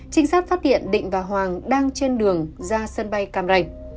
trinh sát phát hiện định và hoàng đang trên đường ra sân bay cam ranh